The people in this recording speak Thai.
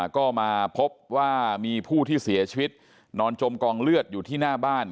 ก็มาพบว่ามีผู้ที่เสียชีวิตนอนจมกองเลือดอยู่ที่หน้าบ้าน